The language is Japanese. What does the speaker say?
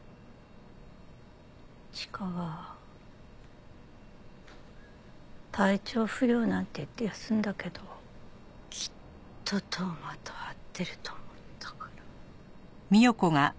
チカは体調不良なんて言って休んだけどきっと当麻と会ってると思ったから。